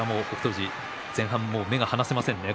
富士前半目が離せませんね。